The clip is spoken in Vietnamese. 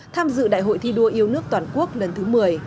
tham dự đại hội thi đua yêu nước toàn quốc lần thứ một mươi